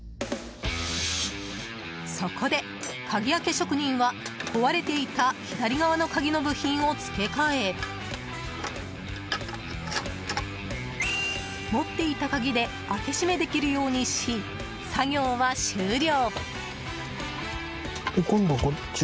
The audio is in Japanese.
そこで、鍵開け職人は壊れていた左側の鍵の部品を付け替え持っていた鍵で開け閉めできるようにし作業は終了。